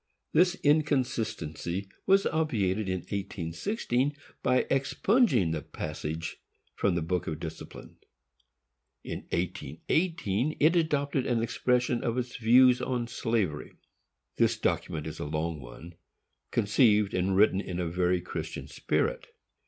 This inconsistency was obviated in 1816 by expunging the passage from the Book of Discipline. In 1818 it adopted an expression of its views on slavery. This document is a long one, conceived and written in a very Christian spirit.